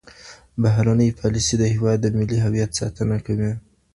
بهرنۍ پالیسي د هیواد د ملي هویت ساتنه کوي.